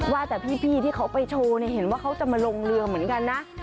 ว่าแต่พี่ที่เขาไปโชว์เนี่ยเห็นว่าเขาจะมาลงเรือเหมือนกันนะ